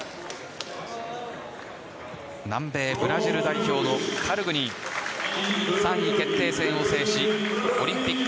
南米ブラジル代表のカルグニン３位決定戦を制しオリンピック